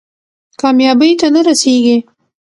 کامیابۍ ته نه رسېږي.